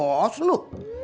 bapak mau ngasih thr ndin